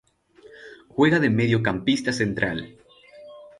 Juega de mediocampista central.